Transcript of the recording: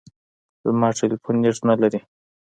زما ټلیفون نېټ نه لري .